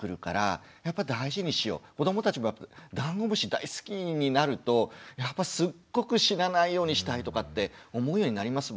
子どもたちもダンゴムシ大好きになるとやっぱすっごく死なないようにしたいとかって思うようになりますもんね。